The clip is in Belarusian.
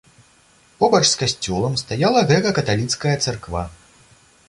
Побач з касцёлам стаяла грэка-каталіцкая царква.